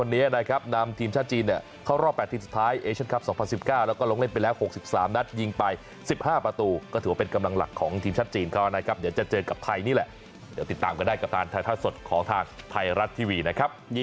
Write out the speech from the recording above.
เดี๋ยวติดตามก็ได้กับตาร์ไทยท่าสดของทางไทยรัฐทีวีนะครับ